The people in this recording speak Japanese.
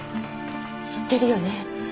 知ってるよね